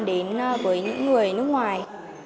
với những người nước ngoài